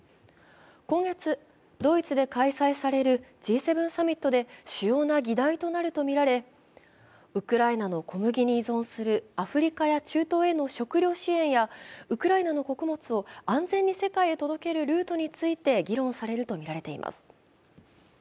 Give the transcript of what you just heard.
今月、ドイツで開催されるＧ７サミットで主要な議題となるとみられ、ウクライナの小麦に依存するアフリカや中東への食料支援やウクライナの穀物を安全に世界に届けるルートについて議論されるとみられています。